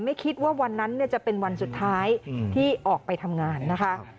ไม่คิดว่าวันนั้นจะเป็นวันสุดท้ายที่ออกไปทำงานนะคะ